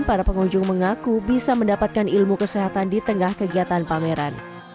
para pengunjung mengaku bisa mendapatkan ilmu kesehatan di tengah kegiatan pameran